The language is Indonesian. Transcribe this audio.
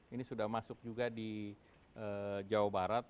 ini sudah masuk juga di jawa barat